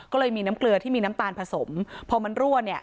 ก็เลยมีน้ำเกลือที่มีน้ำตาลผสมพอมันรั่วเนี่ย